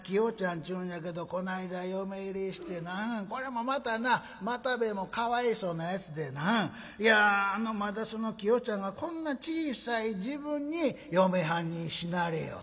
っちゅうんやけどこないだ嫁入りしてなこれもまたな又兵衛もかわいそうなやつでないやあのまたそのきよちゃんがこんな小さい時分に嫁はんに死なれよってな。